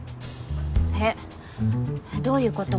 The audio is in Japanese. えっどういうこと？